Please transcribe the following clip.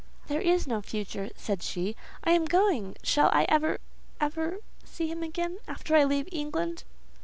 "There is no future," said she: "I am going. Shall I ever—ever—see him again, after I leave England?"